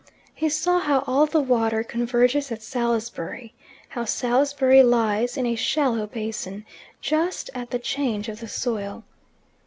He saw how all the water converges at Salisbury; how Salisbury lies in a shallow basin, just at the change of the soil.